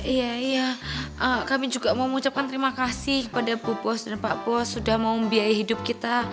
iya iya kami juga mau mengucapkan terima kasih kepada bu bos dan pak bos sudah mau membiayai hidup kita